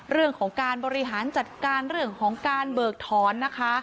เรื่องของการบริหารจัดการเรื่องของการเบิกถอนนะคะ